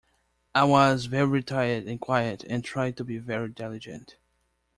I was very retired and quiet, and tried to be very diligent.